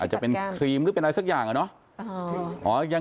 อาจจะเป็นครีมหรือเป็นอะไรสักอย่างเหรอ